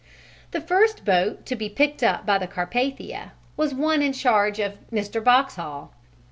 The first boat to be picked up by the Carpathia was one in charge of Mr. Boxhall.